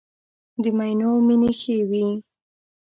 د مینو مینې ښې وې.